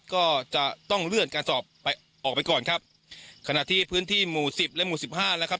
ก็จะต้องเลื่อนการสอบไปออกไปก่อนครับขณะที่พื้นที่หมู่สิบและหมู่สิบห้าแล้วครับ